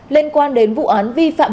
liên quan đến vụ án vi phạm